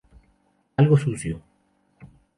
Algo sucio.